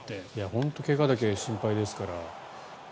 本当に怪我だけは心配ですから。